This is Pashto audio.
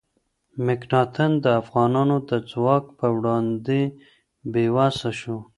مکناتن د افغانانو د ځواک په وړاندې بې وسه شو.